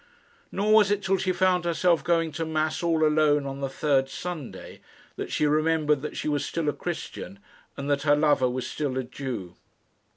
Nor was it till she found herself going to mass all alone on the third Sunday that she remembered that she was still a Christian, and that her lover was still a Jew.